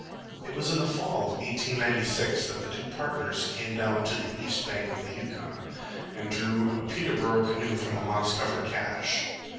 It was in the fall of 1896 that the two partners came down to the east bank of the Yukon, and drew a Peterborough canoe from a moss covered cache.